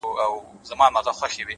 د رمز خبره يې د سونډو په موسکا کي نسته!